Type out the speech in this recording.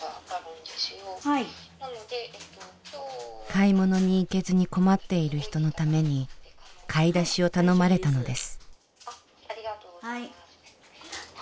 買い物に行けずに困っている人のために買い出しを頼まれたのです。